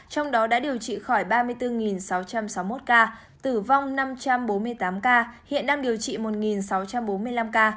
trong đó đã điều trị khỏi ba mươi bốn sáu trăm sáu mươi một ca tử vong năm trăm bốn mươi tám ca hiện đang điều trị một sáu trăm bốn mươi năm ca